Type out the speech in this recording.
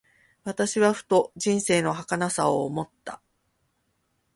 私はふと、人生の儚さを思った。